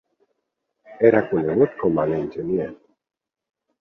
Era conegut com a ‘l’enginyer’.